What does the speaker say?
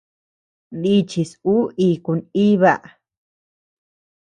Nichis ú iku nʼiba.